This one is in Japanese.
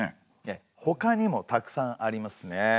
ええほかにもたくさんありますね。